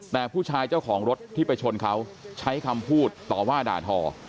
แต่ผู้ชายเจ้าของรถที่ไปชนเขาใช้คำพูดต่อว่าด่าทอ